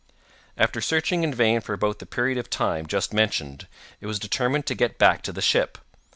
After searching in vain for about the period of time just mentioned, it was determined to get back to the ship.